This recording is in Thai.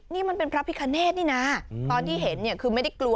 นี่มันเป็นพระพิคเนธนี่นะตอนที่เห็นเนี่ยคือไม่ได้กลัว